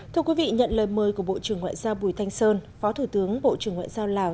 thưa quý vị nhận lời mời của bộ trưởng ngoại giao bùi thanh sơn phó thủ tướng bộ trưởng ngoại giao lào